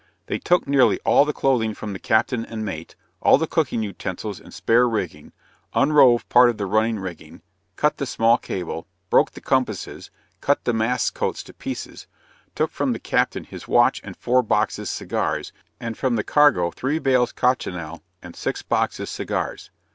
They took nearly all the clothing from the captain and mate all the cooking utensils and spare rigging unrove part of the running rigging cut the small cable broke the compasses cut the mast's coats to pieces took from the captain his watch and four boxes cigars and from the cargo three bales cochineal and six boxes cigars.